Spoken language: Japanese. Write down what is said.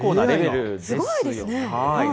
すごいですね。